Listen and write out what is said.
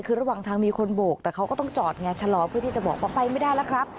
คือระหว่างทางมีคนโบกแต่เขาก็ต้องจอดไงชะลอเพื่อที่จะบอกว่าไปไม่ได้แล้วครับ